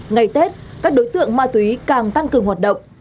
ngày tết các đối tượng ma túy càng tăng cường hoạt động